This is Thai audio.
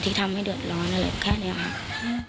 ที่ทำให้เดือดร้อนอะไรแค่นี้ค่ะ